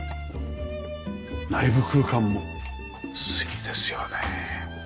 内部空間も杉ですよね。